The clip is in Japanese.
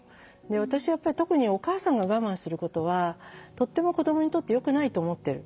私やっぱり特にお母さんが我慢することはとっても子どもにとってよくないと思ってる。